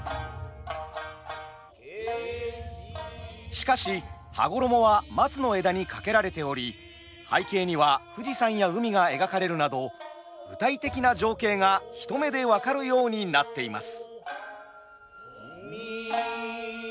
しかし羽衣は松の枝に掛けられており背景には富士山や海が描かれるなど具体的な情景が一目で分かるようになっています。